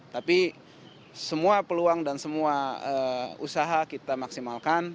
tapi semua peluang dan semua usaha kita maksimalkan